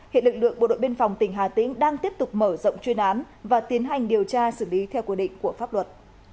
hiện lực lượng bộ đội biên phòng tỉnh hà tĩnh đang tiếp tục mở rộng chuyên án và tiến hành điều tra xử lý theo quy định của pháp luật